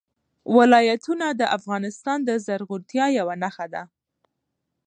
ولایتونه د افغانستان د زرغونتیا یوه نښه ده.